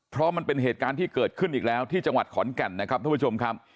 เพราะมันเป็นเหตุการณ์ที่เกิดขึ้นอีกแล้วที่จังหวัดขอนแก่นนะครับทุกผู้ชมครับ